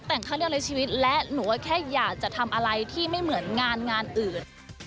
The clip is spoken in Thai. แต่งเขาเรียกในชีวิตและหนูก็แค่อยากจะทำอะไรที่ไม่เหมือนงานงานอื่น